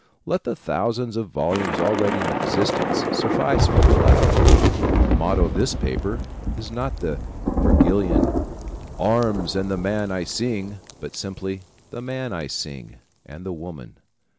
Let the thousands of volumes already in existence suffice for the latter. The motto of this paper is not the Vergilian "Arms and the man I sing," but simply "The man I sing" and the woman.